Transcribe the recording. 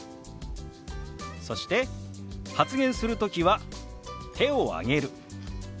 そして「発言するときは手を挙げる」。